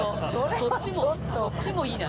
そっちもいいな。